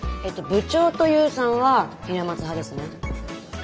部長と勇さんは平松派ですね。